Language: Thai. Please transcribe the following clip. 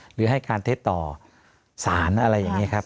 หรือให้การเท็จต่อสารอะไรอย่างนี้ครับ